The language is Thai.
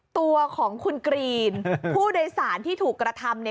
ตัวของคุณกรีนผู้โดยสารที่ถูกกระทำเนี่ย